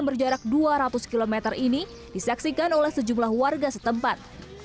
berjarak dua ratus km ini disaksikan oleh sejumlah warga setempat